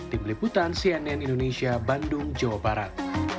di peliputan cnn indonesia bandung jawa barat